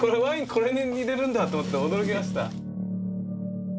これに入れるんだあと思って驚きました。